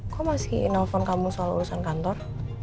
kok masih nelfon kamu soal urusan kantor